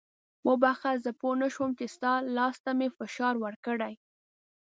وبخښه زه پوه نه شوم چې ستا لاس ته مې فشار ورکړی.